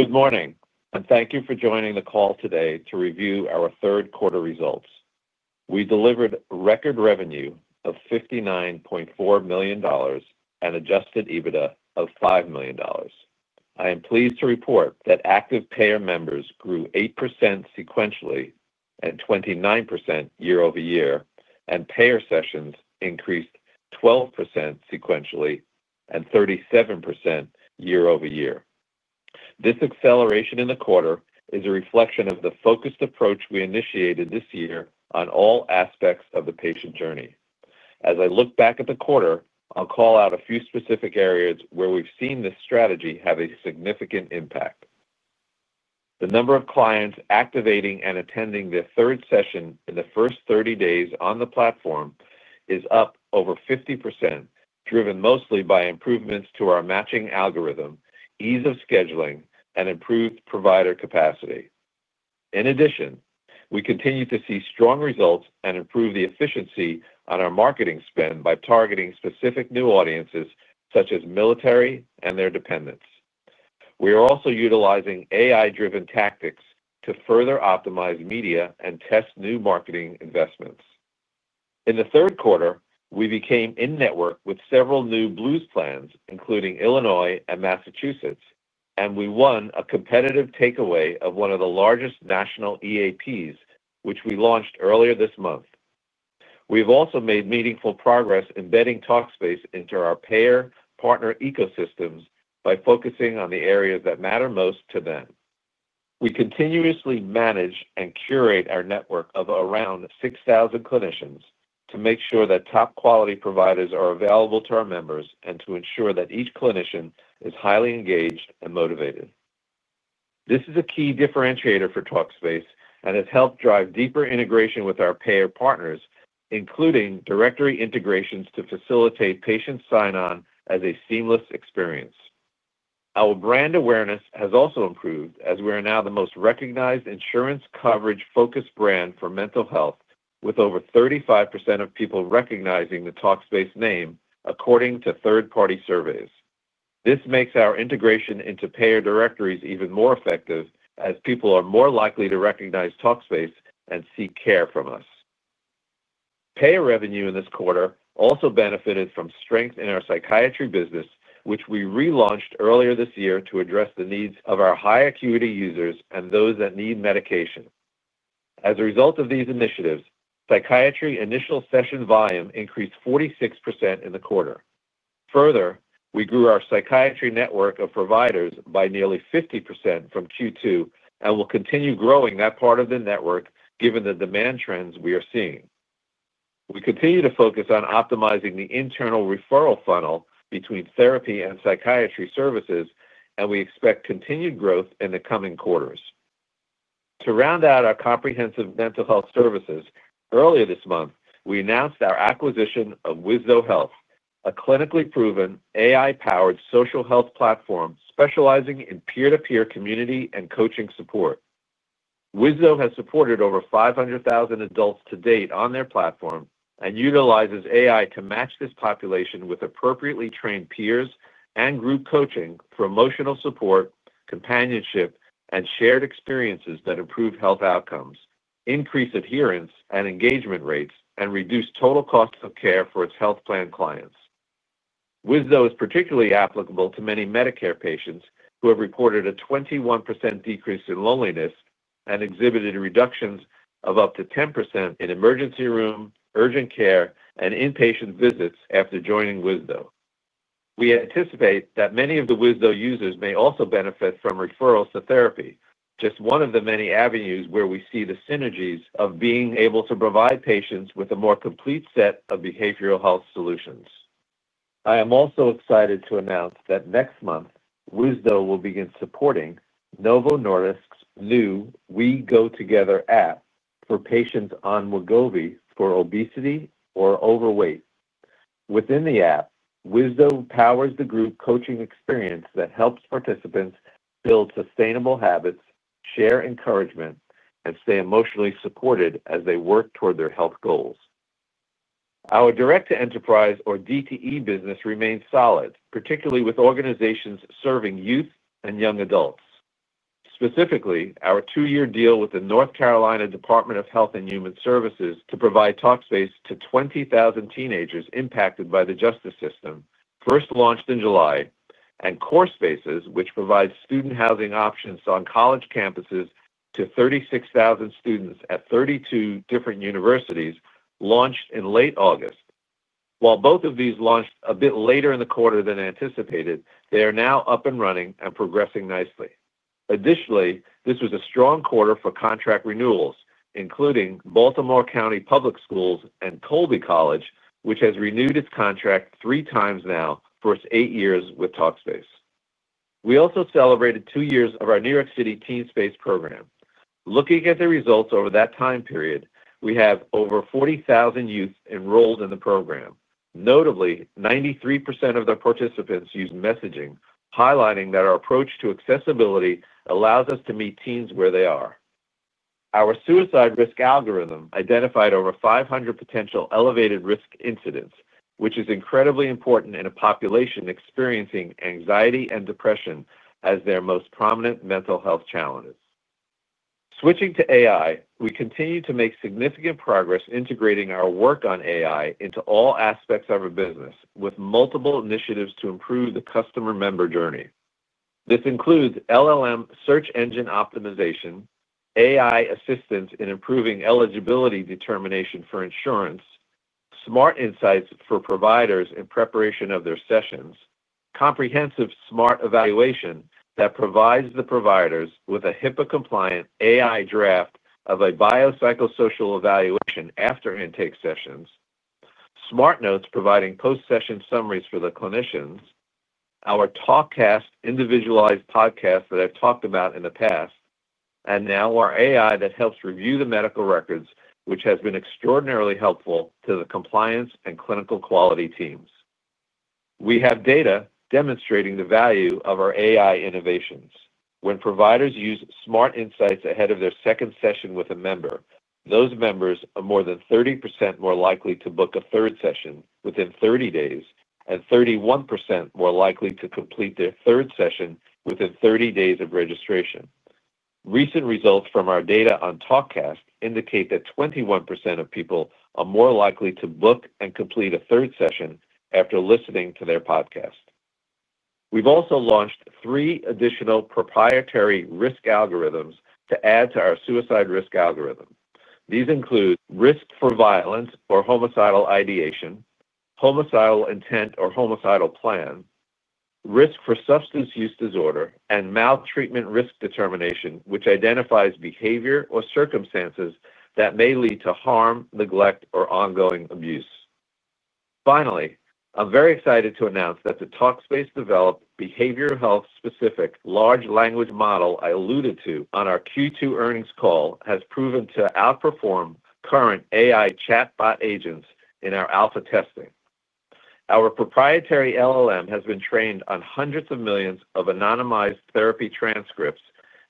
Good morning and thank you for joining the call today to review our third quarter results. We delivered record revenue of $59.4 million. Adjusted EBITDA of $5 million. I am pleased to report that active payer members grew 8% sequentially and 29% year-over-year, and payer sessions increased 12% sequentially and 37% year-over-year. This acceleration in the quarter is a reflection of the focused approach we initiated this year on all aspects of the patient journey. As I look back at the quarter, I'll call out a few specific areas where we've seen this strategy have a significant impact. The number of clients activating and attending their third session in the first 30 days on the platform is up over 50%, driven mostly by improvements to our matching algorithm, ease of scheduling, and improved provider capacity. In addition, we continue to see strong results and improve the efficiency on our marketing spend by targeting specific new audiences such as military and their dependents. We are also utilizing AI-driven tactics to further optimize media and test new marketing investments. In the third quarter, we became in-network with several new Blue plans including Illinois and Massachusetts, and we won a competitive takeaway of one of the largest national EAPs which we launched earlier this month. We've also made meaningful progress embedding Talkspace into our payer partner ecosystems by focusing on the areas that matter most to them. We continuously manage and curate our network of around 6,000 clinicians to make sure that top quality providers are available to our members and to ensure that each clinician is highly engaged and motivated. This is a key differentiator for Talkspace and has helped drive deeper integration with our payer partners, including directory integrations to facilitate patient sign on as a seamless experience. Our brand awareness has also improved as we are now the most recognized insurance coverage focused brand for mental health with over 35% of people recognizing the Talkspace name according to third party surveys. This makes our integration into payer directories even more effective as people are more likely to recognize Talkspace and seek care from us. Payer revenue in this quarter also benefited from strength in our psychiatry business which we relaunched earlier this year to address the needs of our high acuity users and those that need medication. As a result of these initiatives, psychiatry initial session volume increased 46% in the quarter. Further, we grew our psychiatry network of providers by nearly 50% from Q2 and will continue growing that part of the network. Given the demand trends we are seeing, we continue to focus on optimizing the internal referral funnel between therapy and psychiatry services and we expect continued growth in the coming quarters to round out our comprehensive mental health services. Earlier this month we announced our acquisition of Wisdo Health, a clinically proven AI-powered social health platform specializing in peer-to-peer community and coaching support. Wisdo has supported over 500,000 adults to date on their platform and utilizes AI to match this population with appropriately trained peers and group coaching for emotional support, companionship, and shared experiences that improve health outcomes, increase adherence and engagement rates, and reduce total cost of care for its health plan clients. Wisdo is particularly applicable to many Medicare patients who have reported a 21% decrease in loneliness and exhibited reductions of up to 10% in emergency room, urgent care, and inpatient visits. After joining Wisdo, we anticipate that many of the Wisdo users may also benefit from referrals to therapy, just one of the many avenues where we see the synergies of being able to provide patients with a more complete set of behavioral health solutions. I am also excited to announce that next month Wisdo will begin supporting Novo Nordisk's new WeGoTogether app for patients on Wegovy for obesity or overweight. Within the app, Wisdo powers the group coaching experience that helps participants build sustainable habits, share encouragement, and stay emotionally supported. As they work toward their health goals. Our Direct to Enterprise, or DTE, business remains solid, particularly with organizations serving youth and young adults. Specifically, our two-year deal with the North Carolina Department of Health and Human Services to provide Talkspace to 20,000 teenagers impacted by the justice system first launched in July. Core Spaces, which provides student housing options on college campuses to 36,000 students at 32 different universities, launched in late August. While both of these launched a bit later in the quarter than anticipated, they are now up and running and progressing nicely. Additionally, this was a strong quarter for contract renewals, including Baltimore County Public Schools and Colby College, which has renewed its contract three times now for its eight years with Talkspace. We also celebrated two years of our New York City Teen Space program. Looking at the results over that time period, we have over 40,000 youth enrolled in the program. Notably, 93% of the participants use messaging, highlighting that our approach to accessibility allows us to meet teens where they are. Our suicide risk algorithm identified over 500 potential elevated risk incidents, which is incredibly important in a population experiencing anxiety and depression as their most prominent mental health challenges. Switching to AI, we continue to make significant progress integrating our work on AI into all aspects of our business with multiple initiatives to improve the customer member journey. This includes LLM search engine optimization, AI assistance in improving eligibility determination for insurance, Smart Insights for providers in preparation of their sessions, comprehensive smart evaluation that provides the providers with a HIPAA-compliant AI draft of a biopsychosocial evaluation after intake sessions, Smart Notes providing post-session summaries for the clinicians, our Talkcast individualized podcast that I've talked about in the past, and now our AI that helps review the medical records, which has been extraordinarily helpful to the compliance and clinical quality teams. We have data demonstrating the value of our AI innovations. When providers use Smart Insights ahead of their second session with a member, those members are more than 30% more likely to book a third session within 30 days and 31% more likely to complete their third session within 30 days of registration. Recent results from our data on Talkspace indicate that 21% of people are more likely to book and complete a third session after listening to their podcast. We've also launched three additional proprietary risk algorithms to add to our suicide risk algorithm. These include risk for violence or homicidal ideation, homicidal intent or homicidal plan, risk for substance use disorder, and maltreatment risk determination which identifies behavior or circumstances that may lead to harm, neglect, or ongoing abuse. Finally, I'm very excited to announce that the Talkspace-developed behavioral health specific large language model I alluded to on our Q2 earnings call has proven to outperform current AI chatbot agents in our alpha testing. Our proprietary LLM has been trained on hundreds of millions of anonymized therapy transcripts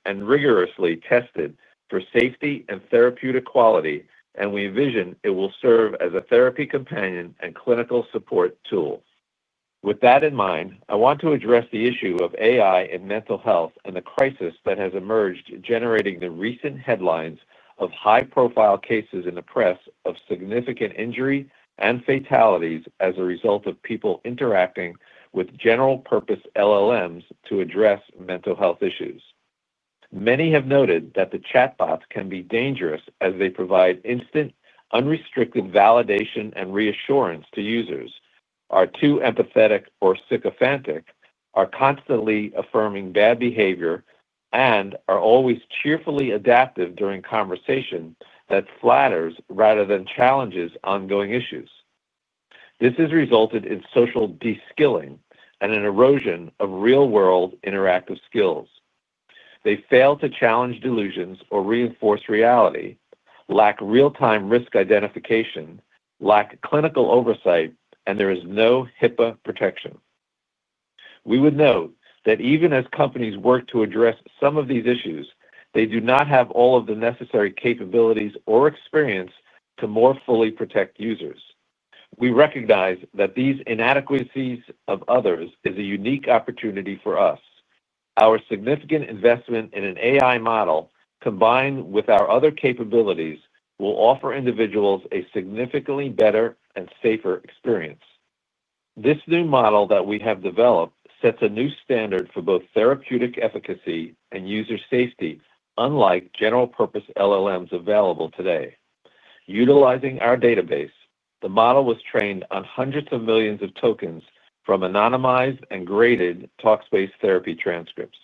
and rigorously tested for safety and therapeutic quality, and we envision it will serve as a therapy companion and clinical support tool. With that in mind, I want to address the issue of AI and mental health and the crisis that has emerged generating the recent headlines of high-profile cases in the press of significant injury and fatalities as a result of people interacting with general purpose LLMs to address mental health issues. Many have noted that the chatbots can be dangerous as they provide instant, unrestricted validation and reassurance to users, are too empathetic or sycophantic, are constantly affirming bad behavior, and are always cheerfully adaptive during conversation that flatters rather than challenges ongoing issues. This has resulted in social deskilling and an erosion of real-world interactive skills. They fail to challenge delusions or reinforce reality, lack real-time risk identification, lack clinical oversight, and there is no HIPAA protection. We would note that even as companies work to address some of these issues, they do not have all of the necessary capabilities or experience to more fully protect users. We recognize that these inadequacies of others is a unique opportunity for us. Our significant investment in an AI model combined with our other capabilities will offer individuals a significantly better and safer experience. This new model that we have developed sets a new standard for both therapeutic efficacy and user safety. Unlike general purpose LLMs available today, utilizing our database, the model was trained on hundreds of millions of tokens from anonymized and graded Talkspace therapy transcripts.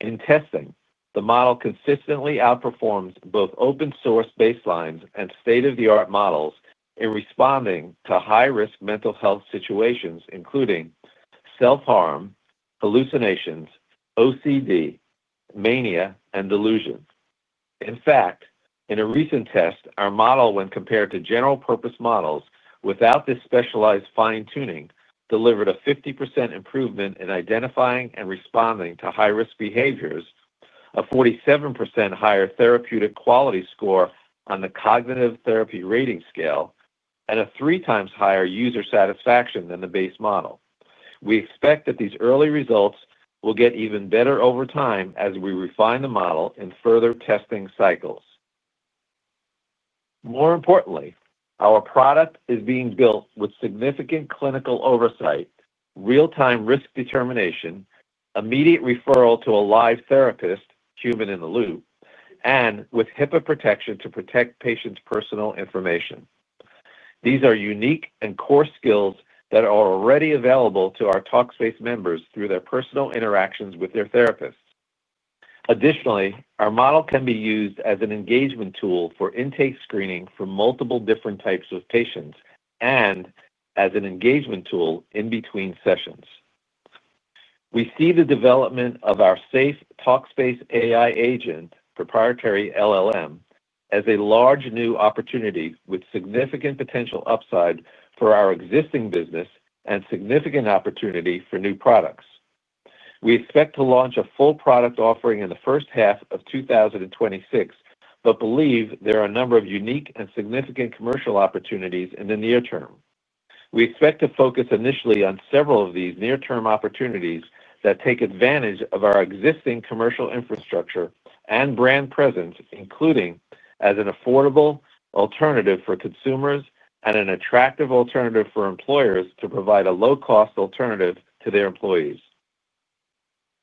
In testing, the model consistently outperforms both open source baselines and state-of-the-art models in responding to high-risk mental health situations including self-harm, hallucinations, OCD, mania, and delusion. In fact, in a recent test our model, when compared to general purpose models without this specialized fine-tuning, delivered a 50% improvement in identifying and responding to high-risk behaviors, a 47% higher therapeutic quality score on the Cognitive Therapy Rating Scale, and a three times higher user satisfaction than the base model. We expect that these early results will get even better over time as we refine the model in further testing cycles. More importantly, our product is being built with significant clinical oversight, real-time risk determination, immediate referral to a live therapist human in the loop, and with HIPAA protection to protect patients' personal information. These are unique and core skills that are already available to our Talkspace members through their personal interactions with their therapists. Additionally, our model can be used as an engagement tool for intake screening for multiple different types of patients and as an engagement tool in between sessions. We see the development of our safe Talkspace AI Agent proprietary LLM as a large new opportunity with significant potential upside for our existing business and significant opportunity for new products. We expect to launch a full product offering in the first half of 2026, but believe there are a number of unique and significant commercial opportunities in the near term. We expect to focus initially on several of these near-term opportunities that take advantage of our existing commercial infrastructure and brand presence, including as an affordable alternative for consumers and an attractive alternative for employers to provide a low-cost alternative to their employees.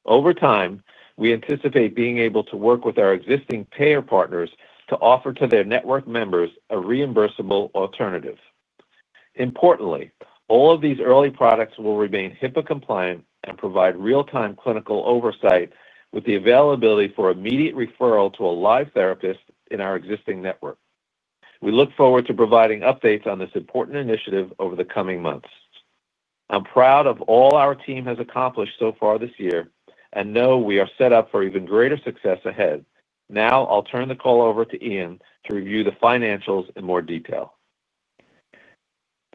Over time, we anticipate being able to work with our existing payer partners to offer to their network members a reimbursable alternative. Importantly, all of these early products will remain HIPAA compliant and provide real-time clinical oversight with the availability for immediate referral to a live therapist in our existing network. We look forward to providing updates on this important initiative over the coming months. I'm proud of all our team has accomplished so far this year and know we are set up for even greater success ahead. Now I'll turn the call over to Ian to review the financials in more detail.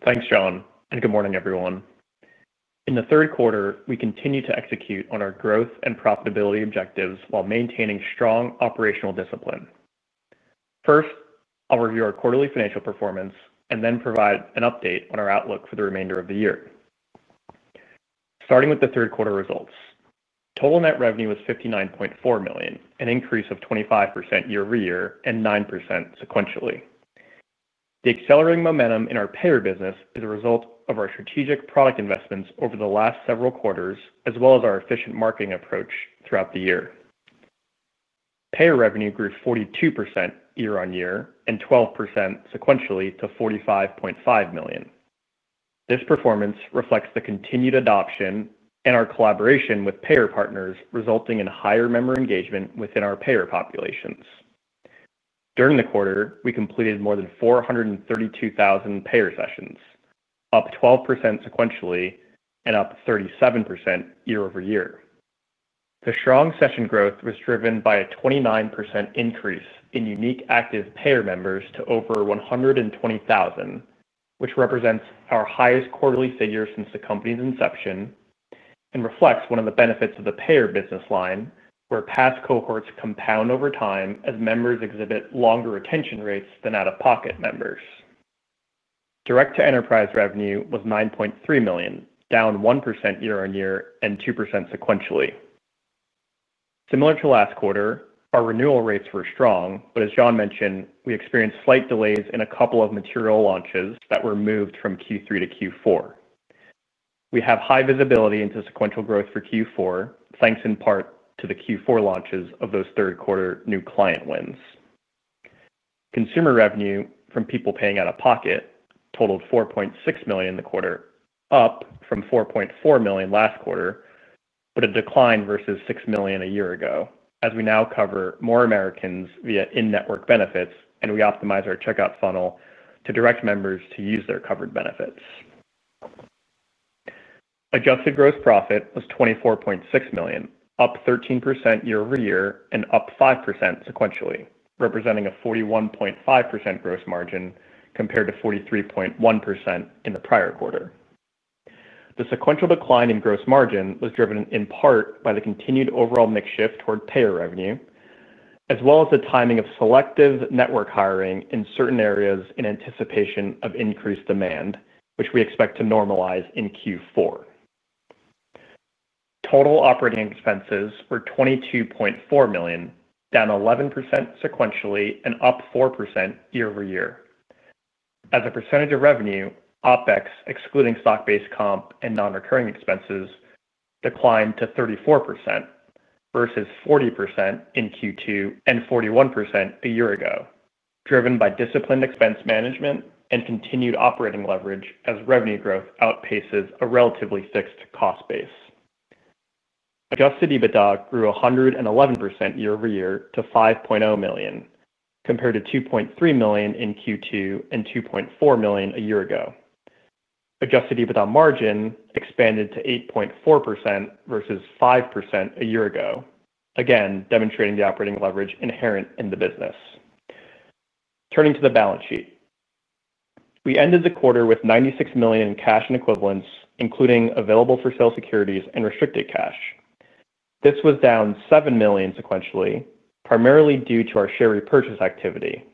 Thanks Jon and good morning everyone. In the third quarter, we continue to execute on our growth and profitability objectives while maintaining strong operational discipline. First, I'll review our quarterly financial performance. Then provide an update on. Our outlook for the remainder of the year starting with the third quarter. Results: Total net revenue was $59.4 million, an increase of 25% year-over-year and 9% sequentially. The accelerating momentum in our payer business is a result of our strategic product investments over the last several quarters as well as our efficient marketing approach. Throughout the year, payer revenue grew 42% year-on-year and 12% sequentially to $45.5 million. This performance reflects the continued adoption and our collaboration with payer partners, resulting in higher member engagement within our payer populations. During the quarter, we completed more than 432,000 payer sessions, up 12% sequentially and up 37% year-over-year. The strong session growth was driven by a 29% increase in unique active payer members to over 120,000, which represents our highest quarterly figure since the company's inception and reflects one of the benefits of the payer business line, where past cohorts compound over time as members exhibit longer retention rates than out-of-pocket members. Direct to enterprise revenue was $9.3 million, down 1% year-on-year and 2% sequentially, similar to last quarter. Our renewal rates were strong, but as Jon mentioned, we experienced slight delays in a couple of material launches that were moved from Q3 to Q4. We have high visibility into sequential growth for Q4 thanks in part to the Q4 launches of those third quarter new client wins. Consumer revenue from people paying out of pocket totaled $4.6 million in the quarter, up from $4.4 million last quarter, but a decline versus $6 million a year ago, as we now cover more Americans via in-network benefits and we optimize our checkout funnel to direct members to use their covered benefits. Adjusted gross profit was $24.6 million, up 13% year-over-year and up 5% sequentially, representing a 41.5% gross margin compared to 43.1% in the prior quarter. The sequential decline in gross margin was driven in part by the continued overall mix shift toward payer revenue as well as the timing of selective network hiring in certain areas in anticipation of increased demand, which we expect to normalize. In Q4, total operating expenses were $22.4 million, down 11% sequentially and up 4% year-over-year. As a percentage of revenue, OpEx excluding stock-based comp and non-recurring expenses declined to 34% versus 40% in Q2 and 41% a year ago, driven by disciplined expense management and continued operating leverage. As revenue growth outpaces a relatively fixed cost base, Adjusted EBITDA grew 111% year-over-year to $5.0 million, compared to $2.3 million in Q2 and $2.4 million a year ago. Adjusted EBITDA margin expanded to 8.4% versus 5% a year ago, again demonstrating the operating leverage inherent in the business. Turning to the balance sheet, we ended the quarter with $96 million in cash and equivalents, including available for sale securities and restricted cash. This was down $7 million sequentially, primarily due to our share repurchase activity.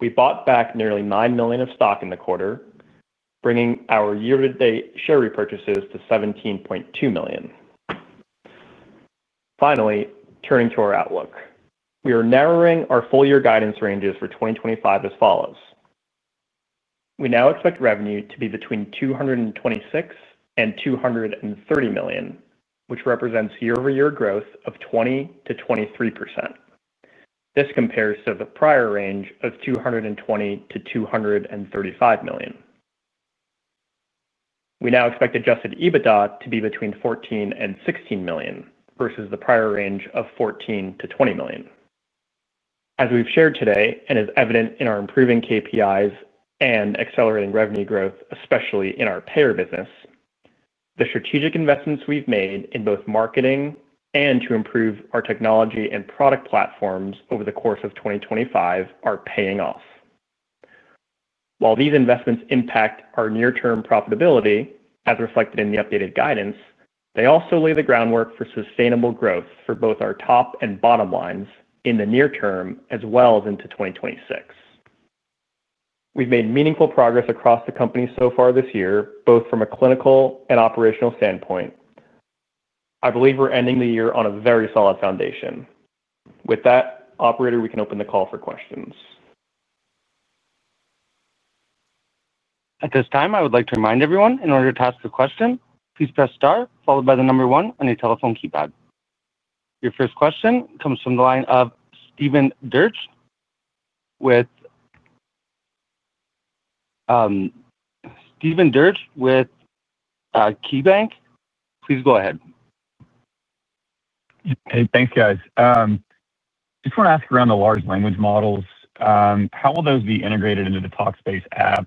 We bought back nearly $9 million of stock in the quarter, bringing our year-to-date share repurchases to $17.2 million. Finally, turning to our outlook, we are narrowing our full year guidance ranges for 2025 as follows. We now expect revenue to be between $226 million and $230 million, which represents year-over-year growth of 20%-23%. This compares to the prior range of $220 million-$235 million. We now expect Adjusted EBITDA to be between $14 million and $16 million versus the prior range of $14 million-$20 million. As we've shared today and is evident in our improving KPIs and accelerating revenue growth, especially in our payer business, the strategic investments we've made in both marketing and to improve our technology and product platforms over the course of 2025 are paying off. While these investments impact our near term profitability as reflected in the updated guidance, they also lay the groundwork for sustainable growth for both our top and bottom lines in the near term as well as into 2026. We've made meaningful progress across the company so far this year, both from a clinical and operational standpoint. I believe we're ending the year on. A very solid foundation. With that, operator, we can open the call for questions. At this time I would like to remind everyone in order to ask a question, please press star followed by the number one on your telephone keypad. Your first question comes from the line of Steve Dechert with KeyBanc. Please go ahead. Hey, thanks guys. Just want to ask around the behavioral health large language models. How will those be integrated into the Talkspace app?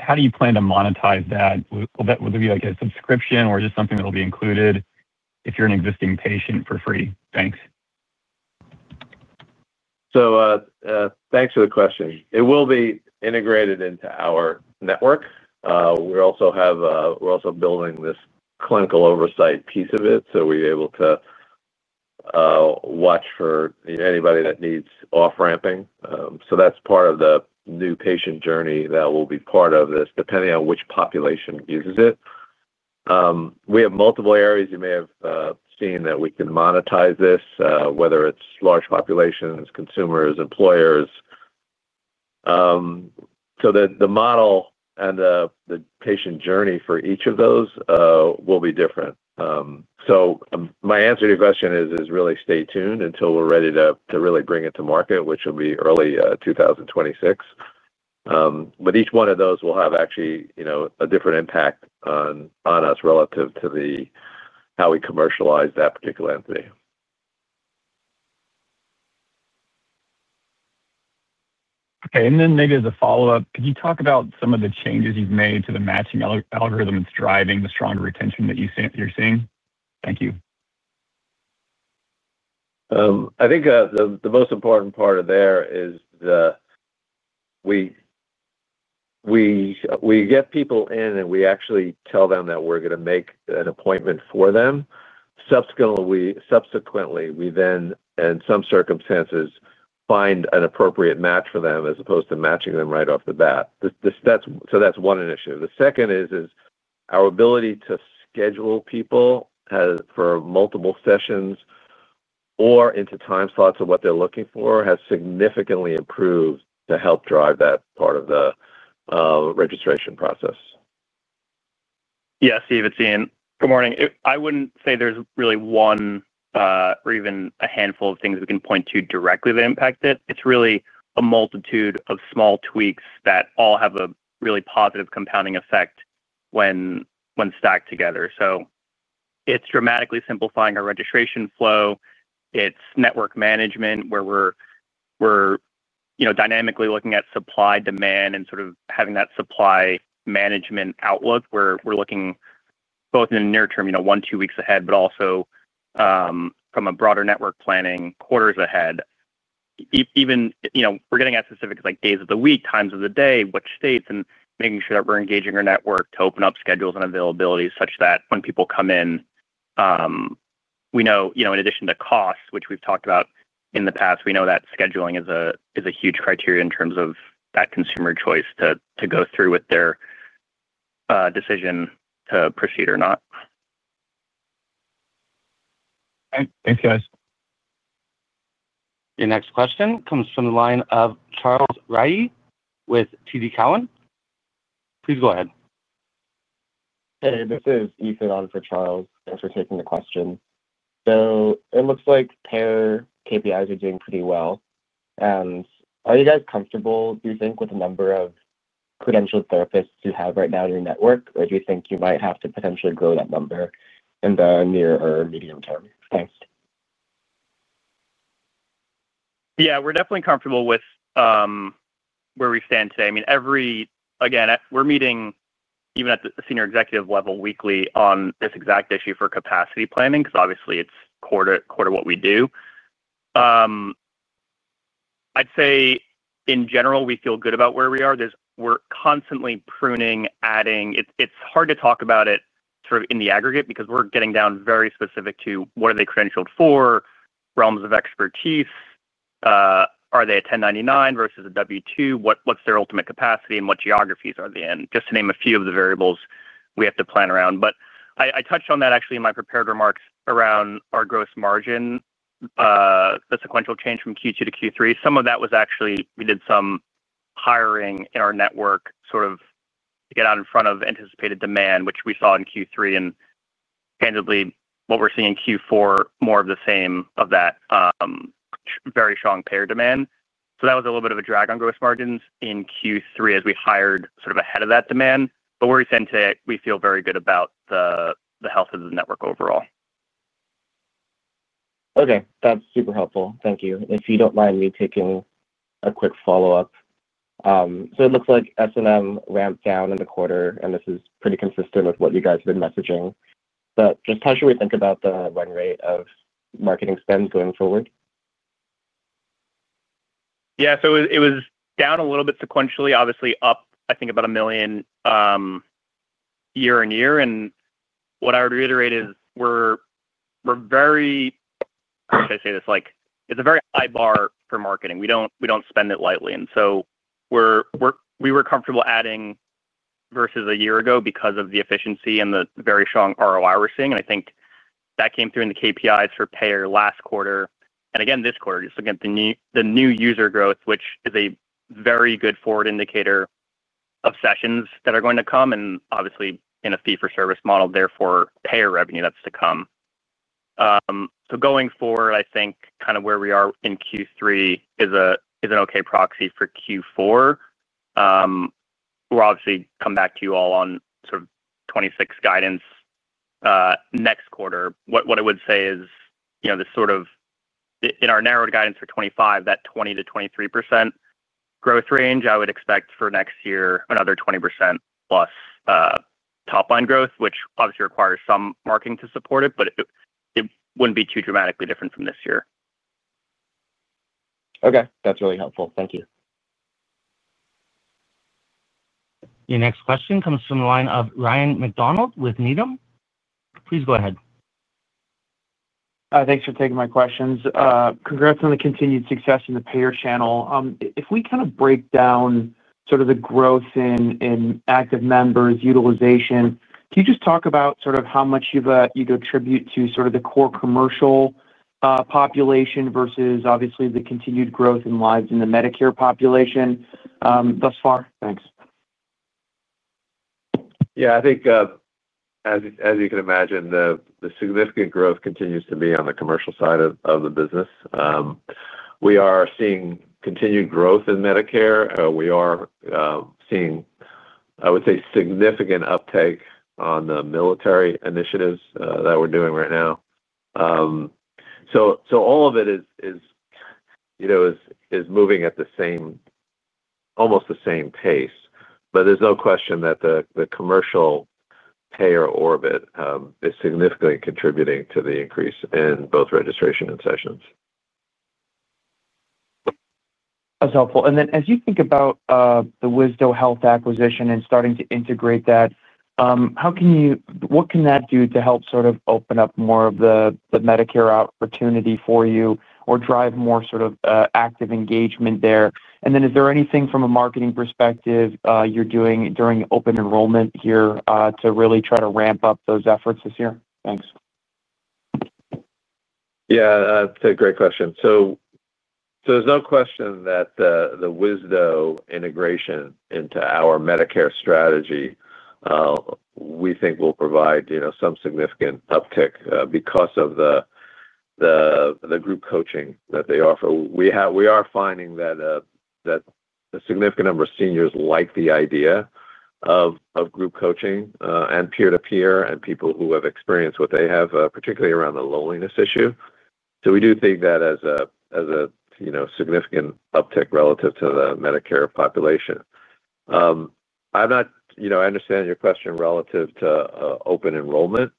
How do you plan to monetize that? Will there be a subscription or just something that will be included if you're an existing patient for free? Thanks. Thank you for the question. It will be integrated into our network. We're also building this clinical oversight piece of it, so we're able to watch for anybody that needs off ramping. That's part of the new patient journey that will be part of this. Depending on which population uses it, we have multiple areas. You may have seen that we can monetize this, whether it's large populations, consumers, employers. The model and the patient journey for each of those will be different. My answer to your question is really stay tuned until we're ready to really bring it to market, which will be early 2026. Each one of those will have actually a different impact on us relative to how we commercialize that particular entity. Okay, and then maybe as a follow up, could you talk about some of. The changes you've made to the matching. Algorithm that's driving the stronger retention that you're seeing? Thank you. I think the most important part of there is. We get people in, and we actually tell them that we're going to make an appointment for them. Subsequently, we then in some circumstances find. An appropriate match for them as opposed to matching them right off the bat. That is one initiative. The second is our ability to schedule. People for multiple sessions or into time. Slots of what they're looking for has significantly improved to help drive that part of the registration process. Yeah, Steve, it's Ian. Good morning. I wouldn't say there's really one or even a handful of things we can point to directly that impact it. It's really a multitude of small tweaks that all have a really positive compounding effect when stacked together. It's dramatically simplifying our registration flow. It's network management where we're dynamically looking at supply, demand, and having that supply management outlook where we're looking both in the near term, you know, one, two weeks ahead, but also from a broader network planning quarters ahead even. We're getting at specifics like days of the week, times of the day, which states, and making sure that we're engaging our network to open up schedules and availability such that when people come in, we know, in addition to costs, which we've talked about in the past, we know that scheduling is a huge criteria in terms of that consumer choice to go through with their decision to proceed or not. Thanks guys. Your next question comes from the line of Charles Rhyee with TD Cowen. Please go ahead. Hey, this is Ethan on for Charles. Thanks for taking the question. It looks like payer KPIs are doing pretty well. Are you guys comfortable, do you think, with the number of credentialed therapists? You have right now in your network, or do you think you might have To potentially grow that number in the. Near or medium term? Thanks. Yeah, we're definitely comfortable with where we stand today. I mean, again, we're meeting even at the Senior Executive level weekly on this exact issue for capacity planning because obviously it's core to what we do. I'd say in general we feel good about where we are. There's. We're constantly pruning, adding. It's hard to talk about it sort of in the aggregate because we're getting down very specific to what are they credentialed for, realms of expertise, are they a 1099 versus a W-2, what's their ultimate capacity, and what geographies are they in, just to name a few of the variables we have to plan around. I touched on that actually in my prepared remarks around our gross margin, the sequential change from Q2 to Q3. Some of that was actually we did some hiring in our network to get out in front of anticipated demand, which we saw in Q3, and candidly what we're seeing in Q4, more of the same of that very strong payer demand. That was a little bit of a drag on gross margins in Q3 as we hired ahead of that demand. We're saying today we feel very good about the health of the network overall. Okay, that's super helpful, thank you. If you don't mind me taking a quick follow-up. It looks like S&M. Ramped down in the quarter, and this is pretty consistent with what you guys have been messaging. How should we think about it? The run rate of marketing spend going forward? Yeah, so it was down a little bit sequentially, obviously up I think about $1 million year-on-year. What I would reiterate is we're very, should I say this, like it's a very high bar for marketing. We don't spend it lightly. We were comfortable adding versus a year ago because of the efficiency and the very strong ROI we're seeing. I think that came through in the KPIs for payer last quarter and again this quarter just looking at the new user growth, which is a very good forward indicator of sessions that are going to come and obviously in a fee for service model, therefore payer revenue that's to come. Going forward I think kind of where we are in Q3 is an okay proxy for Q4. We'll obviously come back to you all on sort of 2026 guidance next quarter. What I would say is, you know, this sort of in our narrowed guidance for 2025, that 20%-23% growth range, I would expect for next year another 20%+ top-line growth which obviously requires some marketing to support it, but it wouldn't be too dramatically different from this year. Okay, that's really helpful, thank you. Your next question comes from the line of Ryan MacDonald with Needham. Please go ahead. Thanks for taking my questions. Congrats on the continued success in the payer channel. If we kind of break down sort of the growth in active members utilization, can you just talk about sort of how much you could attribute to sort of the core commercial population versus obviously the continued growth in lives in the Medicare population thus far. Thanks. I think as you can imagine, the significant growth continues to be on the commercial side of the business. We are seeing continued growth in Medicare. We are seeing, I would say, significant uptake on the military initiatives that we're doing right now. All of it is, you know. Is moving at almost the same pace. There is no question that the commercial payer orbit is significantly contributing to the increase in both registration and sessions. That's helpful. As you think about the Wisdo Health acquisition and starting to integrate that, how can you, what can that do to help sort of open up more of the Medicare opportunity for you or drive more sort of active engagement there? Is there anything from a marketing perspective you're doing during open enrollment here to really try to ramp up those efforts this year? Thanks. Yeah, that's a great question. There is no question that the Wisdo integration into our Medicare strategy, we think, will provide some significant uptick because of the group coaching that they offer. We are finding that a significant number of seniors like the idea of group coaching and peer to peer and people who have experienced what they have, particularly around the loneliness issue. We do think that is a significant uptick relative to the Medicare population. I understand your question relative to open enrollment,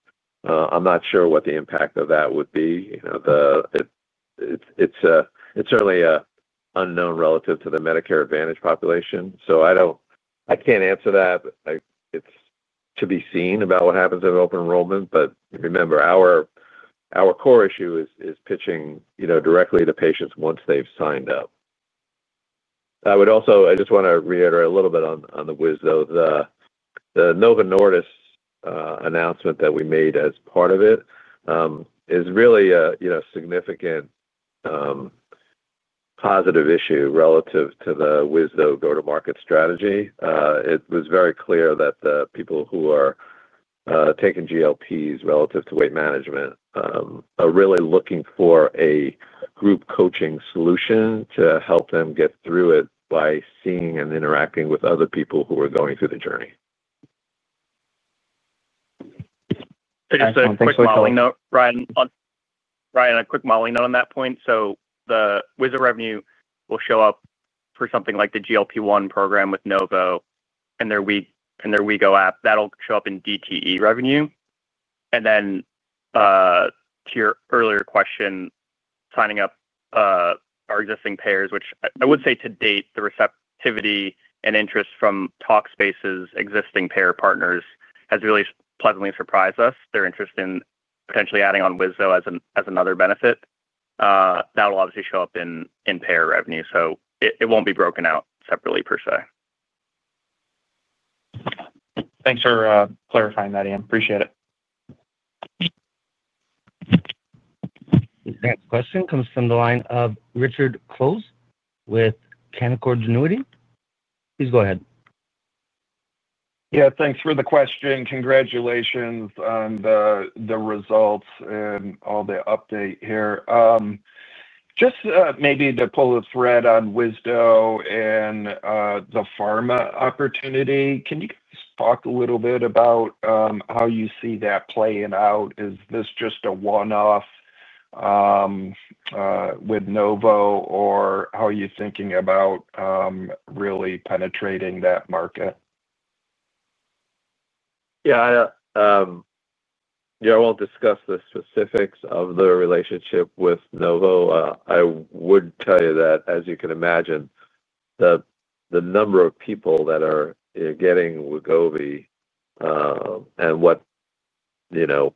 I'm not sure what the impact of that would be. It's certainly unknown relative to the Medicare Advantage population. I can't answer that. It's to be seen about what happens at open enrollment. Remember our core issue is pitching directly to patients once they've signed up. I also just want to reiterate a little bit on the Wisdo though. The Novo Nordisk announcement that we made as part of it is really. Significant. Positive issue relative to the Wisdo go-to-market strategy. It was very clear that the people who are taking GLPs relative to weight management are really looking for a group coaching solution to help them get through it by seeing and interacting with other people who are going through the journey. Ryan, a quick modeling note on that point. The Wisdo revenue will show up for something like the GLP-1 program with Novo and their WeGo app. That'll show up in DTE revenue. To your earlier question, signing up our existing payers, which I would say to date the receptivity and interest from Talkspace's existing payer partners has really pleasantly surprised us. Their interest in potentially adding on Wisdo as another benefit will obviously show up in payer revenue, so it won't be broken out separately per se. Thanks for clarifying that, Ian. Appreciate it. Next question comes from the line of Richard Close with Canaccord Genuity. Please go ahead. Yeah, thanks for the question. Congratulations on the results and all the update here. Just maybe to pull a thread on Wisdo and the pharma opportunity. Can you talk a little bit about how you see that playing out? Is this just a one off With. Novo or how are you thinking about really penetrating that market? Yeah, yeah. I won't discuss the specifics of the relationship with Novo. I would tell you that as you can imagine, the number of people that are getting Wegovy and what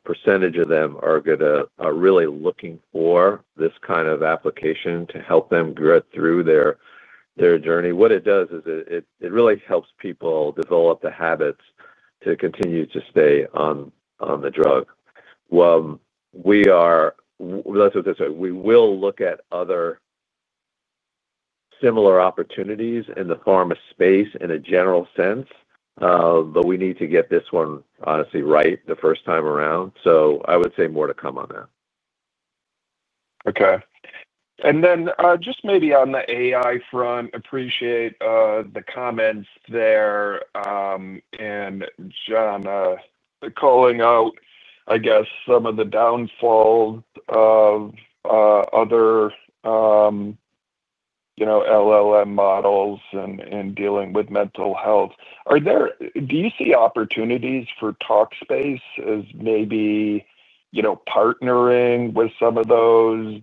percentage of them are really looking for this kind of application to help them get through their journey. What it does is it really helps people develop the habits to continue to stay on the drug. We are, let's put this, we will look at other similar opportunities in the. Pharma space in a general sense. We need to get this one honestly right the first time around. I would say more to come on that. Okay. On the AI front, appreciate the comments there. Jon, calling out, I guess some of the downfall of other behavioral health large language models and dealing with mental health are there. Do you see opportunities for Talkspace as maybe partnering with some of those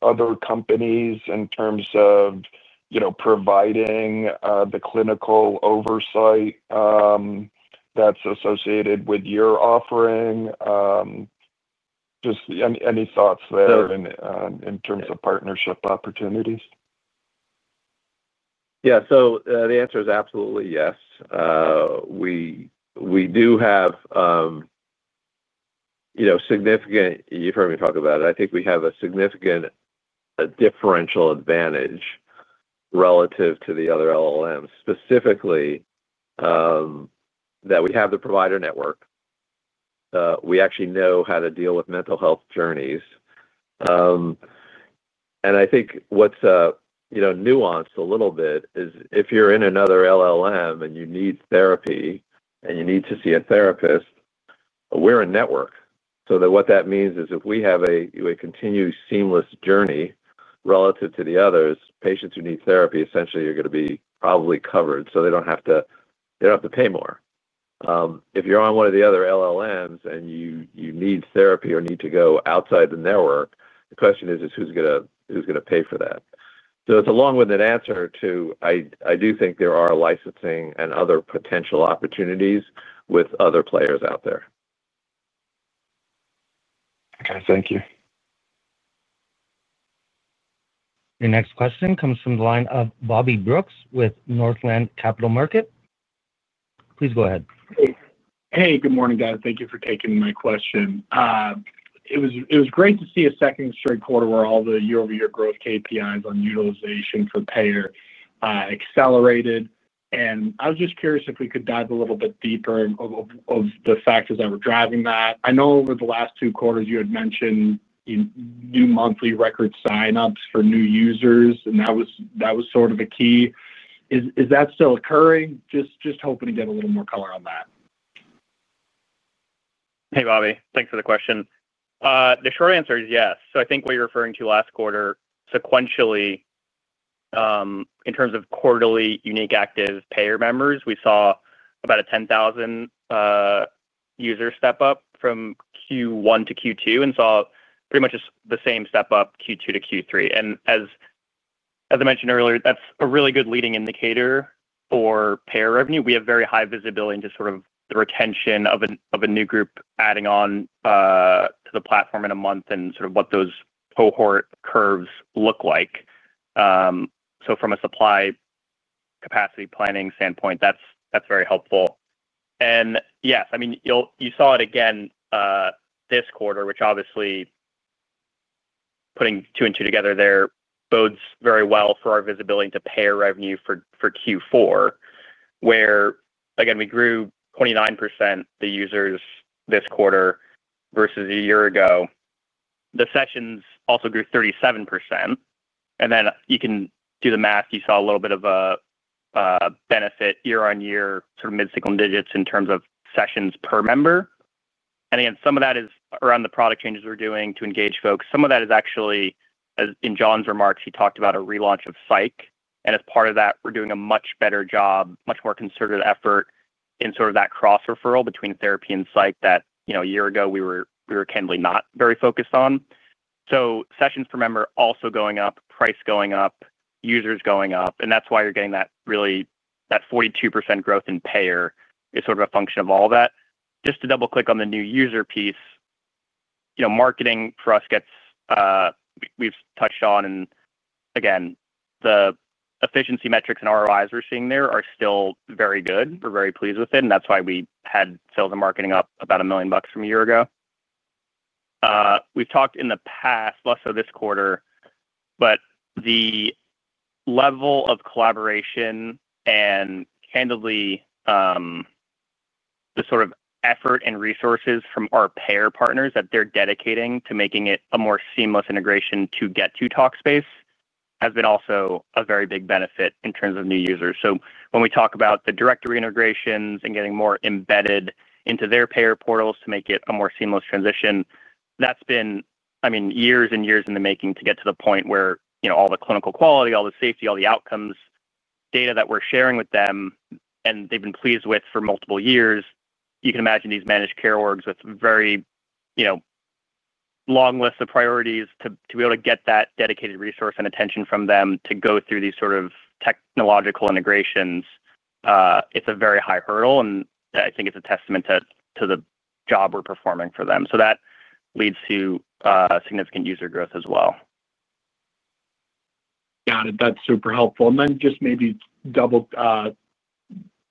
other companies in terms of providing the clinical oversight that's associated with your offering? Any thoughts there in terms of partnership opportunities? Yeah, the answer is absolutely yes. We do have. You know, significant. You've heard me talk about it. I think we have a significant differential advantage relative to the other behavioral health large language models specifically. That we have the provider network. We actually know how to deal with mental health journeys. I think what's nuanced a little bit is if you're in another LLM and you need therapy and you need to see a therapist, we're a network. What that means is if we have a continuous seamless journey relative to the others, patients who need therapy essentially are going to be probably covered. They don't have to pay more. If you're on one of the other LLMs and you need therapy or need to go outside the network, the question is, who's going to pay for that? It's a long winded answer to. I do think there are licensing and other potential opportunities with other players out there. Okay, thank you. Your next question comes from the line of Bobby Brooks with Northland Capital Markets. Please go ahead. Hey, good morning guys. Thank you for taking my question. It was great to see. A second straight quarter where all the. Year over year growth, KPIs on utilization for payer accelerated. I was just curious if we. Could you dive a little bit deeper on the factors that were driving that? I know over the last two quarters you had mentioned new monthly record signups for new users and that was sort of a key. Is that still occurring? Just hoping to get a little more color on that. Hey Bobby, thanks for the question. The short answer is yes. I think we were referring to last quarter sequentially in terms of quarterly unique active payer members. We saw about a 10,000 user step up from Q1 to Q2 and saw pretty much the same step up Q2 to Q3. As I mentioned earlier, that's a really good leading indicator for payer revenue. We have very high visibility into the retention of a new group adding on to the platform in a month and what those cohort curves look like. From a supply capacity planning standpoint, that's very helpful. Yes, you saw it again this quarter, which obviously putting two and two together there bodes very well for our visibility to payer revenue for Q4, where again we grew 29% the users this quarter versus a year ago. The sessions also grew 37%. You can do the math, you saw a little bit of a benefit year-on-year, mid single digits in terms of sessions per member. Some of that is around the product changes we're doing to engage folks. Some of that is actually in Jon's remarks, he talked about a relaunch of psych and as part of that we're doing a much better job, much more concerted effort in that cross referral between therapy and psych that a year ago we were candidly not very focused on. Sessions per member also going up, price going up, users going up. That's why you're getting that 42% growth in payer as a function of all that. Just to double click on the new user piece, marketing for us gets, we've touched on and the efficiency metrics and ROIs we're seeing there are still very good. We're very pleased with it and that's why we had sales and marketing up about $1 million from a year ago. We've talked in the past, less so this quarter, but the level of collaboration and candidly the effort and resources from our payer partners that they're dedicating to making it a more seamless integration to get to Talkspace has been also a very big benefit in terms of new users. When we talk about the directory integrations and getting more embedded into their payer portals to make it a more seamless transition, that's been years and years in the making to get to the point where all the clinical quality, all the safety, all the outcomes data that we're sharing with them and they've been pleased with for multiple years. You can imagine these managed care orgs with very, you know, long lists of priorities. To be able to get that dedicated resource and attention from them, to go through these sort of technological integrations, it's a very high hurdle, and I think it's a testament to the job we're performing for them. That leads to significant user growth as well. Got it. That's super helpful. Just maybe double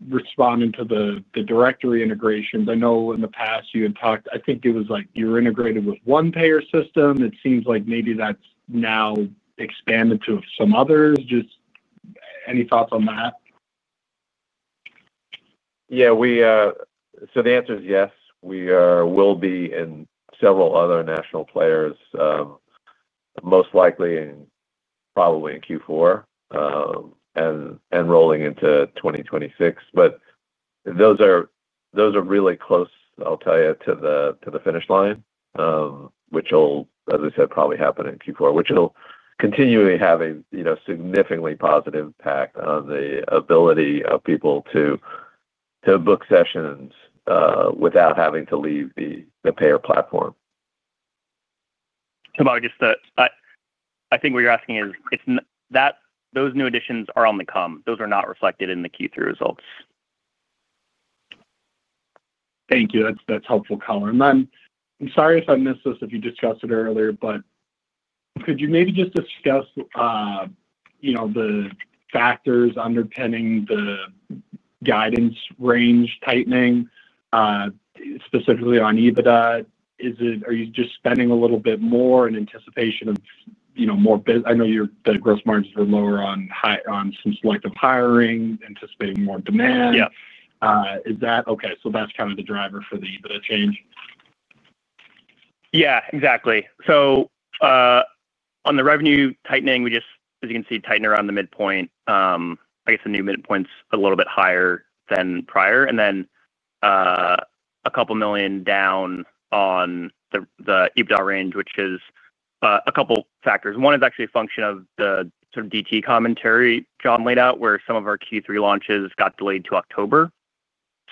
responding to the directory integrations. I know in the past you had talked, I think it was like you're integrated with one payer system. It seems like maybe that's now expanded to some others. Just. Any thoughts on that? Yeah, we. Yes, we will be in several other national players, most likely and probably in Q4 and rolling into 2026. Those are really close, I'll tell you, to the finish line, which will, as I said, probably happen in Q4, which will continually have a significantly positive impact on the ability of people to book sessions without having to leave the payer platform. I think what you're asking is those new additions are on the come. Those are not reflected in the Q3 results. Thank you, that's helpful color, I'm sorry if I missed this, if you discussed it earlier, but could you maybe just discuss the factors underpinning the guidance range tightening specifically on EBITDA. Is it. Are you just spending a little bit more in anticipation of, you know, more? I know your The gross margins are lower on some selective hiring, anticipating more demand. Yeah. Is that okay? That's kind of the driver for the Adjusted EBITDA change. Yeah, exactly. On the revenue tightening, as you can see, we tightened around the midpoint. I guess the new midpoint's a little bit higher than prior and then a couple million down on the EBITDA range, which is a couple factors. One is actually a function of the sort of DT commentary Jon laid out where some of our Q3 launches got delayed to October.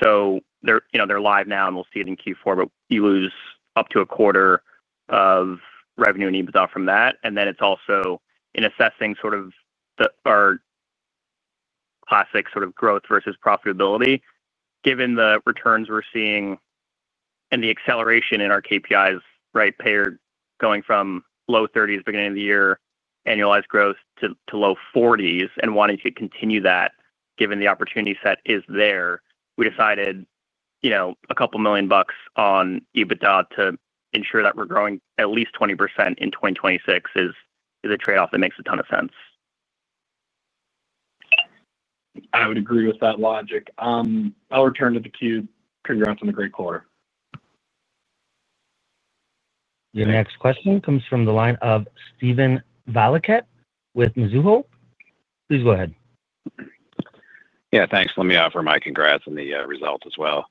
They're live now and we'll see it in Q4. You lose up to a quarter of revenue and EBITDA from that. It's also in assessing our classic sort of growth versus profitability given the returns we're seeing and the acceleration in our KPIs going from low 30s beginning of the year annualized growth to low 40s and wanting to continue that given the opportunity set is there, we decided a couple million bucks on EBITDA to ensure that we're growing at least 20% in 2026 is a trade off that makes a ton of sense. I would agree with that logic. I'll return to the queue. Congrats on the great quarter. Your next question comes from the line of Steven Valiquette with Mizuho. Please go ahead. Yeah, thanks. Let me offer my congrats on the results as well.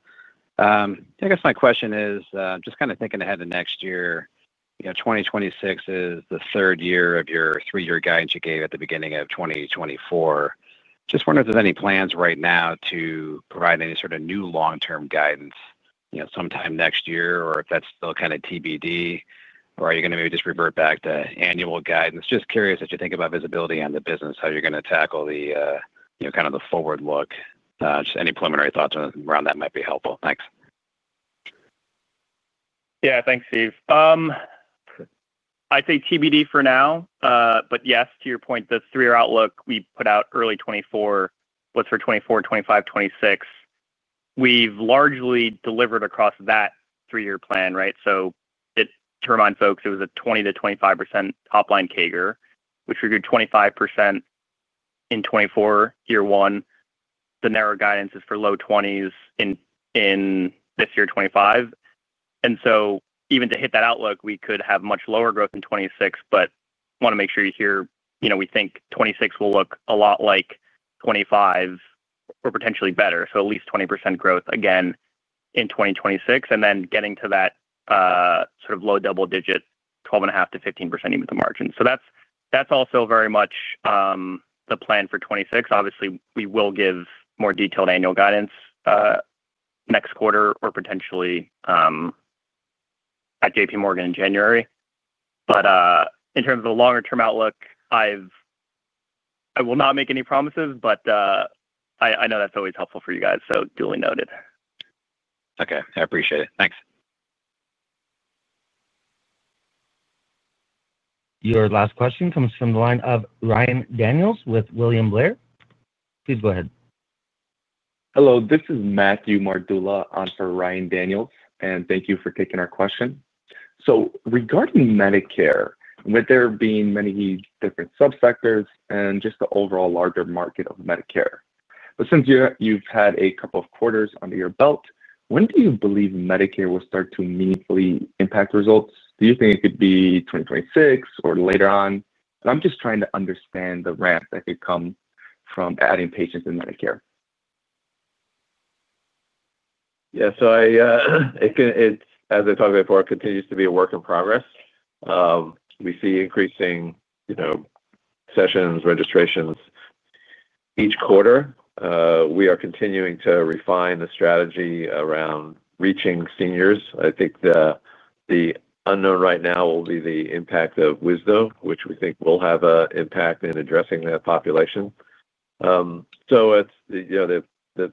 I guess my question is just kind of thinking ahead of next year. You know, 2026 is the third year of your three year guidance you gave at the beginning of 2024. Just wonder if there's any plans right now to provide any sort of new long term guidance, you know, sometime next year or if that's still kind of TBD or are you going to maybe just revert back to annual guidance? Just curious as you think about visibility on the business, how you're going to tackle the kind of the forward look. Just any preliminary thoughts around that might be helpful. Thanks. Yeah, thanks, Steve. I'd say TBD for now, but yes to your point, the three-year outlook we put out early 2024 was for 2024, 2025, 2026. We've largely delivered across that three-year plan. Right. To remind folks, it was a 20%-25% top-line CAGR, which we grew 25% in 2024, year one. The narrow guidance is for low 20s in this year, 2025. Even to hit that outlook, we could have much lower growth in 2026. I want to make sure you hear, you know, we think 2026 will look a lot like 2025 or potentially better. At least 20% growth again in 2026 and then getting to that sort of low double-digit 12.5%-15% Adjusted EBITDA margin. That's also very much the plan for 2026. Obviously, we will give more detailed annual guidance next quarter or potentially at JPMorgan in January. In terms of the longer-term outlook, I will not make any promises, but I know that's always helpful for you guys. Duly noted. Okay, I appreciate it. Thanks. Your last question comes from the line of Ryan Daniels with William Blair. Please go ahead. Hello, this is Matthew Mardula on for Ryan Daniels and thank you for taking our question. Regarding Medicare, with there being many different sub sectors and just the overall larger market of Medicare, since you've. Had a couple of quarters under your. Belt, when do you believe Medicare will. Start to meaningfully impact results? Do you think it could be 2026 or later on? I'm just trying to understand the ramp that could come from adding patients in Medicare. Yeah, it's as I talked. It continues to be a work in progress. We see increasing sessions and registrations each quarter. We are continuing to refine the strategy around reaching seniors. I think the unknown right now will be the impact of Wisdo, which we think will have an impact in addressing that population. The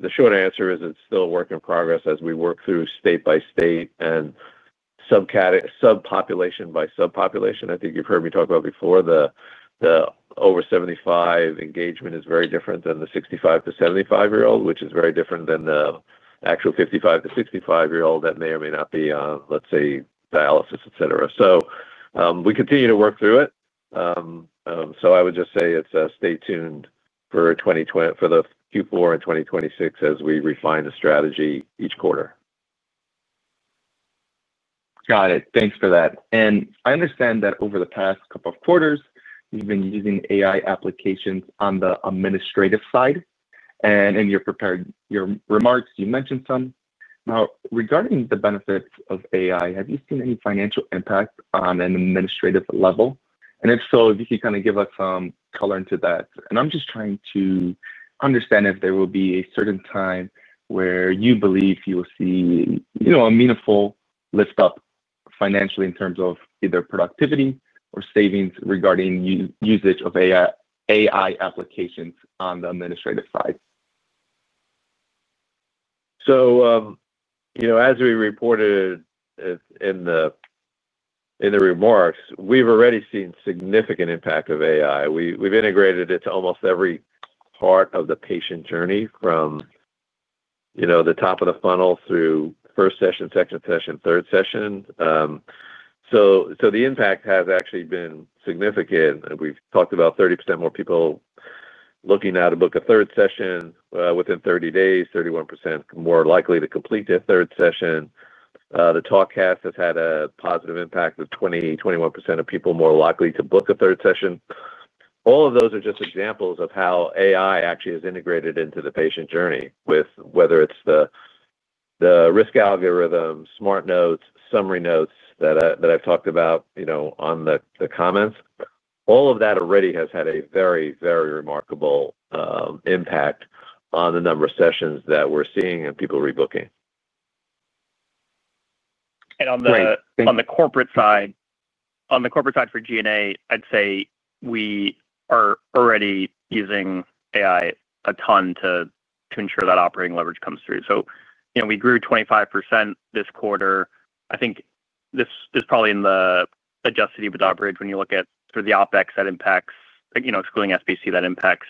short answer is it's still a work in progress as we work through state by state and subcategory, subpopulation by subpopulation. I think you've heard me talk about before, the over 75 engagement is very different than the 65 year old-75 year old, which is very different than the actual 55 year old-65 year old that may or may not be, let's say, dialysis, et cetera. We continue to work through it. I would just say stay tuned for 2024 for the Q4 and 2025 as we refine the strategy each quarter. Got it. Thanks for that. I understand that over the past couple of quarters you've been using AI applications on the administrative side, and in your prepared remarks you mentioned some. Regarding the benefits of AI, have you seen any financial impact on an administrative level? If so, if you could kind of give us some color into that. I'm just trying to understand if there will be a certain time where. You believe you will see. A meaningful lift up financially in terms of either productivity or savings regarding usage of AI applications on the administrative side. As we reported in. In the remarks, we've already seen significant impact of AI. We've integrated it to almost every part. Of the patient journey, you know. The top of the funnel through first session, second session, third session. The impact has actually been significant. We've talked about 30% more people looking now to book a third session within 30 days, 31% more likely to complete their third session. Talkcast has had a positive impact of 20%, 21% of people more likely to book a third session. All of those are just examples. How AI actually is integrated into the patient journey, whether it's the risk algorithm, smart notes, summary notes that I've talked about in the comments, all of that already has had a very, very remarkable impact on the number of sessions that we're seeing and people rebooking. On the corporate side for G&A, I'd say we are already using AI a ton to ensure that operating leverage comes through. You know, we grew 25% this quarter. I think this is probably in the Adjusted EBITDA bridge. When you look at, for the OpEx that impacts, you know, excluding SBC that impacts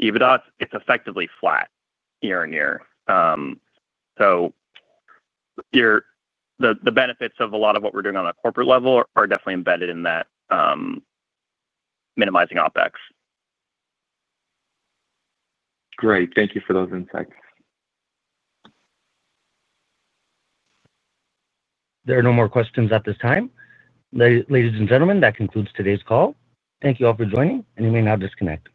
EBITDA, it's effectively flat year-on-year. The benefits of a lot of what we're doing on a corporate level are definitely embedded in that minimizing OpEx. Great, thank you for those insights. There are no more questions at this time, ladies and gentlemen. That concludes today's call. Thank you all for joining, and you may now disconnect.